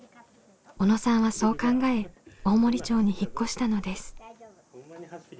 小野さんはそう考え大森町に引っ越したのです。